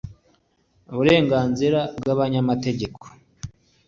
Uburenganzira bw abanyantege nke